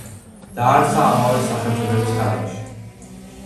დაარსდა ამავე სახელწოდების ქალაქში.